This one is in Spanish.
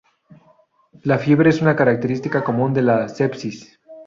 La fiebre es una característica común de la sepsis.